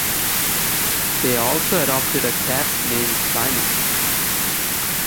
They also adopted a cat named Simon.